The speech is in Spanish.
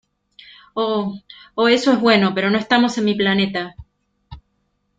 Oh. Oh, eso es bueno . pero no estamos en mi planeta .